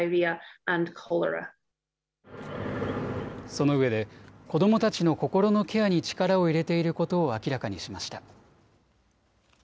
そのうえで子どもたちの心のケアに力を入れていることを明らかにしました。